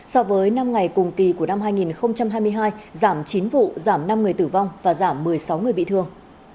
so với năm ngày cùng kỳ của năm hai nghìn hai mươi hai giảm chín vụ giảm năm người tử vong và giảm một mươi sáu người bị thương